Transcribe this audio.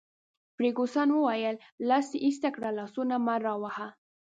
فرګوسن وویل: لاس دي ایسته کړه، لاسونه مه راوهه.